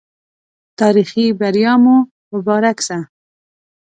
تاريخي بریا مو مبارک سه